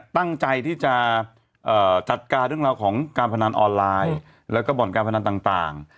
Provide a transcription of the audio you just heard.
ตั้งใจที่จะจัดการเรื่องราวของการพนันออนไลน์แล้วก็บ่อนการพนันต่าง